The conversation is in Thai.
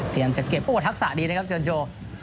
เตรียมจะเก็บโอ้ทักษะดีนะครับเจิญโจ